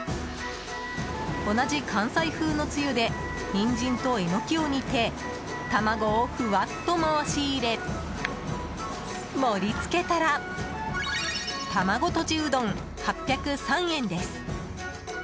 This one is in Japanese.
同じ関西風のつゆでニンジンとエノキを煮て卵をふわっと回し入れ盛り付けたら玉子とじうどん、８０３円です。